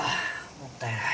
もったいない。